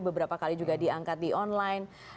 beberapa kali juga diangkat di online